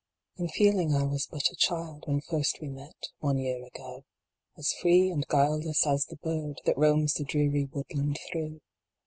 T N feeling I was but a child, When first we met one year ago, As free and guileless as the bird, That roams the dreary woodland through.